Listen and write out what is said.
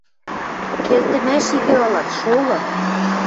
Келтӹмӓш игӹ ылат, шолы!